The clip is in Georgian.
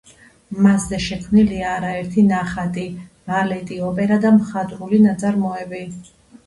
მასზე შექმნილია არაერთი ნახატი, ბალეტი, ოპერა და მხატვრული ნაწარმოები.